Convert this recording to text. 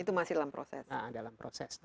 itu masih dalam proses